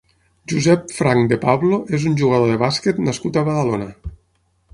Josep Franch de Pablo és un jugador de bàsquet nascut a Badalona.